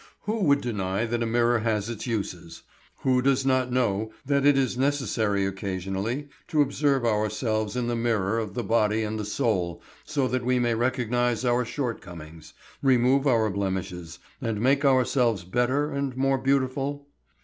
Who would deny that a mirror has its uses? Who does not know that it is necessary occasionally to observe ourselves in the mirror of the body and the soul so that we may recognize our shortcomings, remove our blemishes, and make ourselves better and more beautiful?